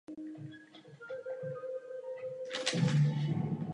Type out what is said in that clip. Tento názor jsem vyjadřil tím, jak jsem hlasoval.